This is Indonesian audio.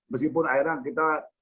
meskipun akhirnya kita